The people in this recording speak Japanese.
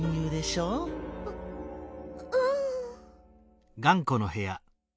ううん。